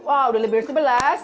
wah udah lebih dari sebelas